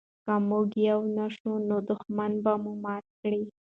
که موږ یو نه شو نو دښمن به مو مات کړي.